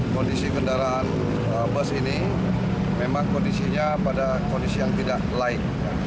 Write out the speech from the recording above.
kondisi kendaraan bus ini memang kondisinya pada kondisi yang tidak laik